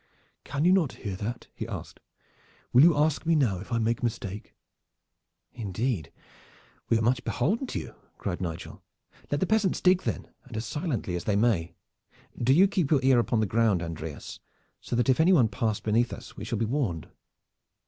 "Can you not hear that?" he asked. "Will you ask me now if I make a mistake?" "Indeed, we are much beholden to you!" cried Nigel. "Let the peasants dig then, and as silently as they may. Do you keep your ear upon the ground, Andreas, so that if anyone pass beneath us we shall be warned."